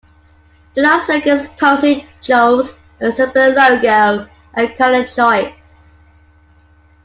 The Las Vegas Posse chose a simpler logo and colour choice.